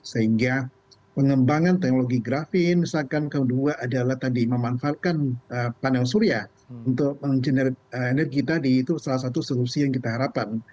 sehingga pengembangan teknologi grafi misalkan kedua adalah tadi memanfaatkan panel surya untuk mengenerasi energi tadi itu salah satu solusi yang kita harapkan